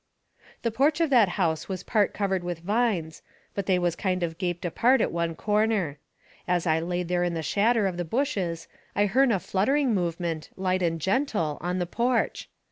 The porch of that house was part covered with vines, but they was kind of gaped apart at one corner. As I laid there in the shadder of the bushes I hearn a fluttering movement, light and gentle, on that porch.